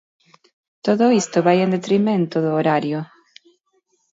Todo isto vai en detrimento do horario.